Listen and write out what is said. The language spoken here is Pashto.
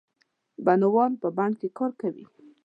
بڼوال په بڼ کې کار کوي.